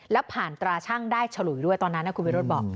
แล้วผ่านตราชั่งได้ฉลุยด้วยตอนนั้นคุณวิโรธบอก